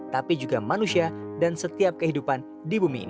tapi juga manusia dan setiap kehidupan yang mereka miliki